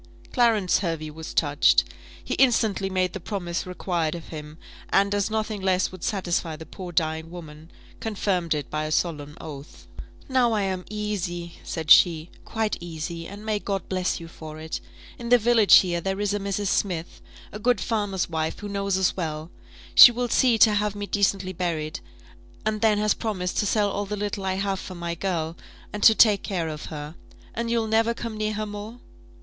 Clarence Hervey was touched. He instantly made the promise required of him; and, as nothing less would satisfy the poor dying woman, confirmed it by a solemn oath. "Now I am easy," said she, "quite easy; and may God bless you for it! In the village here, there is a Mrs. Smith, a good farmer's wife, who knows us well; she will see to have me decently buried, and then has promised to sell all the little I have for my girl, and to take care of her. And you'll never come near her more?"